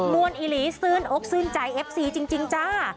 มวลอิหรี่ซื้นอุ๊บซื้นใจเอฟซีจริงจ้า